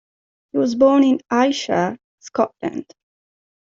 He was born in Ayrshire, Scotland.